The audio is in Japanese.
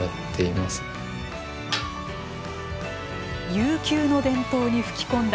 悠久の伝統に吹き込んだ